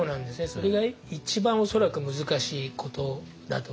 それが一番恐らく難しいことだと思うんですね。